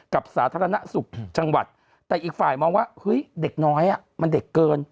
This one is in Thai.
สาธารณสุขจังหวัดแต่อีกฝ่ายมองว่าเฮ้ยเด็กน้อยอ่ะมันเด็กเกิน